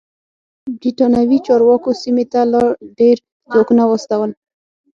برېتانوي چارواکو سیمې ته لا ډېر ځواکونه واستول.